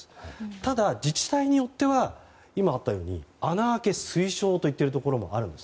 ただ、自治体によっては今あったように穴開け推奨と言っているところもあるんです。